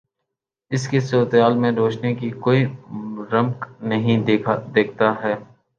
اس کی صورت حال میں روشنی کی کوئی رمق نہیں دیکھتا ہے۔